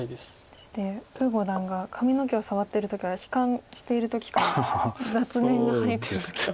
そして呉五段が髪の毛を触ってる時は悲観している時か雑念が入ってる時と。